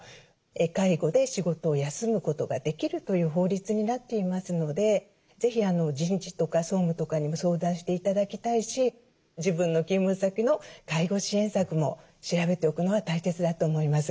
介護で仕事を休むことができるという法律になっていますので是非人事とか総務とかにも相談して頂きたいし自分の勤務先の介護支援策も調べておくのは大切だと思います。